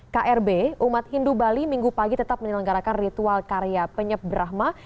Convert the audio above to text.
krb umat hindu bali minggu pagi tetap menilanggarakan ritual karya penyep brahma